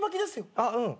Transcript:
あっうん。